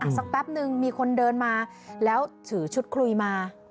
สักแป๊บนึงมีคนเดินมาแล้วถือชุดคุยมา